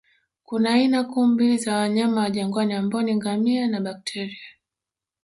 Kuna aina kuu mbili za wanyama wa jangwani ambao ni ngamia na bakteria